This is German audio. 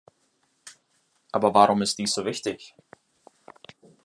Aber warum ist dies so wichtig?